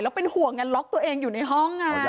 แล้วเป็นห่วงไงล็อกตัวเองอยู่ในห้อง